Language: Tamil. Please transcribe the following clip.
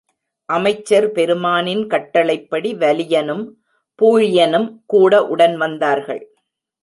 அமைச்சர் பெருமானின் கட்டளைப்படி வலியனும் பூழியனும் கூட உடன் வந்தார்கள்.